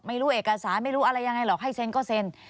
ไม่รู้เอกสารไม่รู้อะไรยังไงหรอกให้เซ็นก็เซ็น